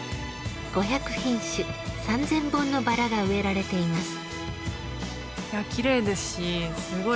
５００品種３，０００本のバラが植えられています。